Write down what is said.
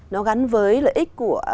nó gắn với lợi ích của